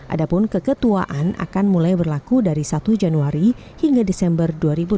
adapun keketuaan akan mulai berlaku dari satu januari hingga desember dua ribu dua puluh